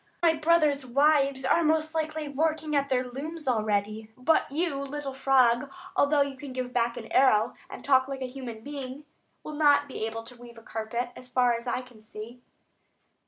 My brothers' wives are most likely working at their looms already. But you, little frog, although you can give back an arrow, and talk like a human being, will not be able to weave a carpet, as far as I can see."